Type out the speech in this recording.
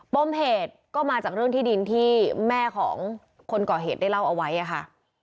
ปมเหตุก็มาจากเรื่องที่ดินที่แม่ของคนก่อเหตุได้เล่าเอาไว้ค่ะ